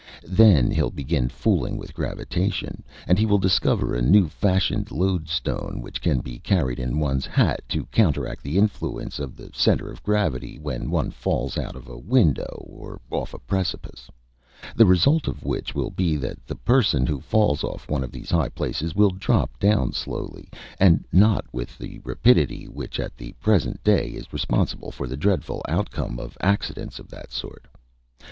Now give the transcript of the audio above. Then he'll begin fooling with gravitation, and he will discover a new fashioned lodestone, which can be carried in one's hat to counter act the influence of the centre of gravity when one falls out of a window or off a precipice, the result of which will be that the person who falls off one of these high places will drop down slowly, and not with the rapidity which at the present day is responsible for the dreadful outcome of accidents of that sort.